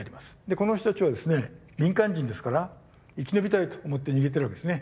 この人たちはですね民間人ですから生き延びたいと思って逃げてるわけですね。